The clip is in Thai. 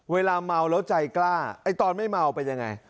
เวลาเมาแล้วใจกล้าไอ้ตอนไม่เมาเป็นยังไง